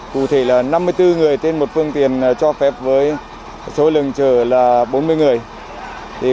cụ thể là năm mươi bốn người trên một phương tiện cho phép với số lượng chở là bốn mươi người